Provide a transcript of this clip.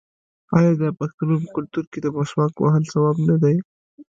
آیا د پښتنو په کلتور کې د مسواک وهل ثواب نه دی؟